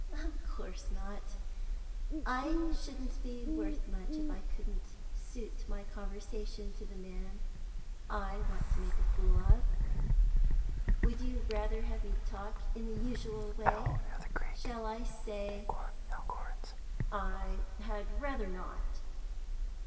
"Pooh, of course not. I shouldn't be worth much if I couldn't suit my conversation to the man I want to make a fool of. Would you rather have me talk in the usual way? Shall I say " "I had rather not."